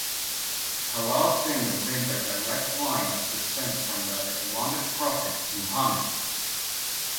Talal's family claims a direct line of descent from the Islamic prophet Muhammad.